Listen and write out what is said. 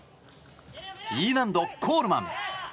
Ｅ難度コールマン。